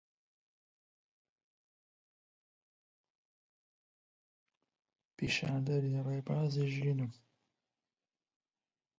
پیشاندەری ڕێبازی ژینم دایە